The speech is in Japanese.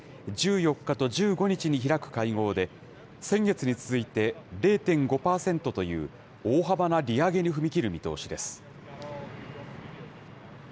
１４日と１５日に開く会合で、先月に続いて０．５％という、大幅な利上げに踏み切る見通しです。